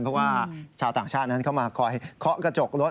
เพราะว่าชาวต่างชาตินั้นเข้ามาคอยเคาะกระจกรถ